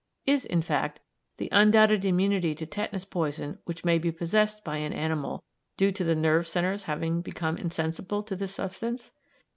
Is, in fact, the undoubted immunity to tetanus poison which may be possessed by an animal due to the nerve centres having become insensible to this substance?